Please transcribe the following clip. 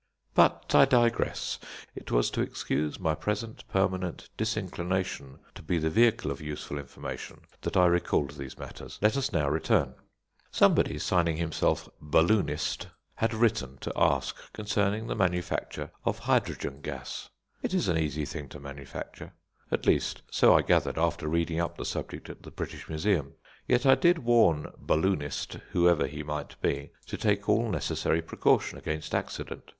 But I digress. It was to excuse my present permanent disinclination to be the vehicle of useful information that I recalled these matters. Let us now return. Somebody, signing himself "Balloonist," had written to ask concerning the manufacture of hydrogen gas. It is an easy thing to manufacture at least, so I gathered after reading up the subject at the British Museum; yet I did warn "Balloonist," whoever he might be, to take all necessary precaution against accident.